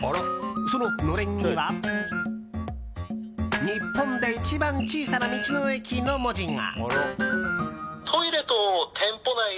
そののれんには日本で一番小さい道の駅の文字が。